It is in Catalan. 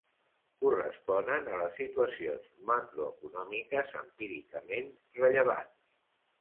Corresponen a les situacions macroeconòmiques empíricament rellevants.